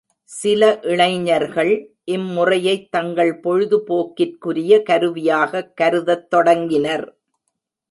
சில இளைஞர்கள் இம்முறையைத் தங்கள் பொழுதுபோக்கிற்குரிய கருவியாகக் கருதத் தொடங்கினர்.